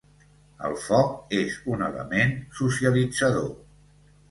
El foc és un element socialitzador.